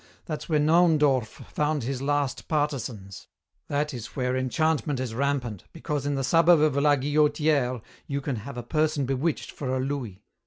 That's where Naundorff found his last partisans. That is where enchantment is rampant, because in the suburb of La Guillotière you can have a person bewitched for a louis.